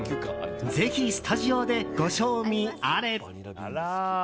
ぜひスタジオでご賞味あれ！